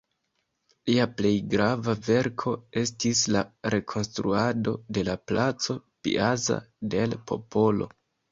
Lia plej grava verko estis la rekonstruado de la placo "Piazza del Popolo".